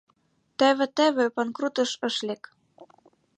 Теве-теве панкрутыш ыш лек.